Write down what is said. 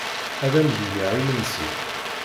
Ad am-d-geɣ imensi.